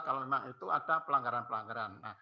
kalau memang itu ada pelanggaran pelanggaran